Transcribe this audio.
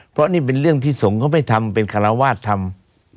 เพราะนี่เป็นเรื่องที่สงฆ์เขาไปทำเป็นคาราวาสทำ